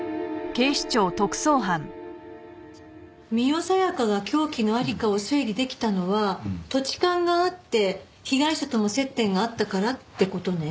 深世小夜香が凶器の在りかを推理できたのは土地勘があって被害者とも接点があったからって事ね？